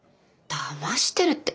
だましてるって。